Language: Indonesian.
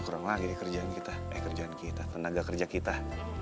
kurang lagi kerjaan kita eh kerjaan kita tenaga kerja kita